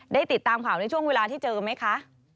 ได้ติดตามข่าวในช่วงเวลาที่เจอไหมคะ